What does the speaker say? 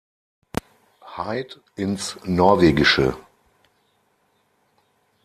Hyde ins Norwegische.